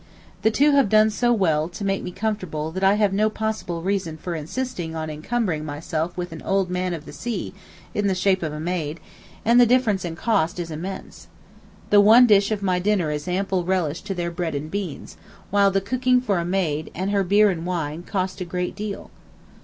The two have done so well to make me comfortable that I have no possible reason for insisting on encumbering myself with 'an old man of the sea,' in the shape of a maid; and the difference in cost is immense. The one dish of my dinner is ample relish to their bread and beans, while the cooking for a maid, and her beer and wine, cost a great deal.